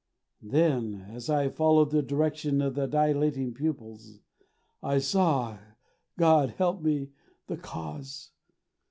Then as I followed the direction of the dilating pupils I saw God help me the Cause!